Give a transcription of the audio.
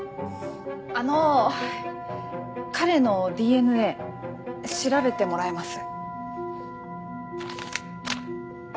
あの彼のＤＮＡ調べてもらえます？